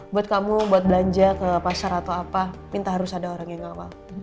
buat kamu buat belanja ke pasar atau apa minta harus ada orang yang ngawal